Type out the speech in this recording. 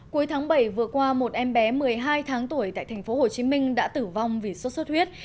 cuối tháng bảy vừa qua một em bé một mươi hai tháng tuổi tại thành phố hồ chí minh đã tử vong vì sốt sốt huyết